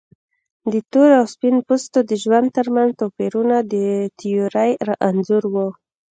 د تور او سپین پوستو د ژوند ترمنځ توپیرونه د تیورۍ انځور و.